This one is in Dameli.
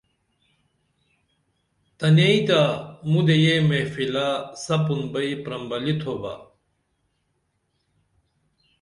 تنئیں تیہ مودیہ یہ محفلہ سپُن بئی پرمبلی تھوبہ